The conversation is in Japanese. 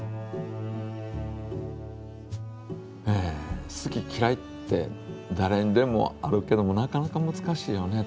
え好ききらいってだれにでもあるけどもなかなかむずかしいよね